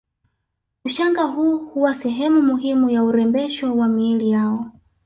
Ushanga huu huwa sehemu muhimu ya urembesho wa miili yao